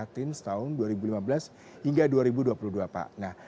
tims tahun dua ribu lima belas hingga dua ribu dua puluh dua pak